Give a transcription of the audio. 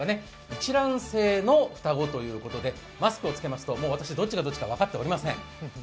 一卵性の双子ということでマスクを着けますと私どっちがどっちか分かっておりません。